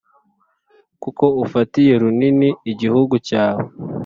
Kuko ufatiye runini igihugu cyawe,